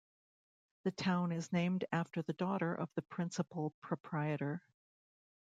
The town is named after the daughter of the principal proprietor.